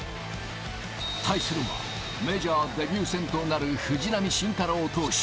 対するは、メジャーデビュー戦となる藤浪晋太郎投手。